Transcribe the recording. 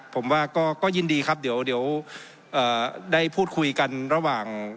ผมว่าก็ก็ยินดีครับเดี๋ยวเดี๋ยวเอ่อได้พูดคุยกันระหว่าง